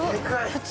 普通？